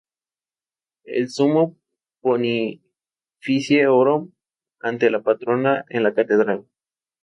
El sumo pontífice oró ante la patrona en la catedral.